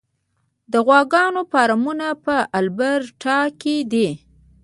د غواګانو فارمونه په البرټا کې دي.